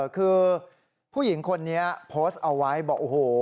คือผู้หญิงคนนี้โพสต์เอาไว้บอกโอ้โห